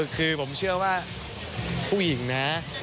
คือผมเชื่อว่าผู้หญิงนะ